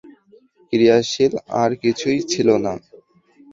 ক্রিয়াশীল আর কিছুই ছিল না।